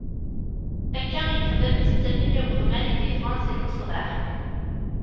Akka i yexdem i setta-nni n igeḍman i d-iffɣen si lmeṣbaḥ.